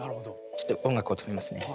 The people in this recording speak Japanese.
ちょっと音楽を止めますね。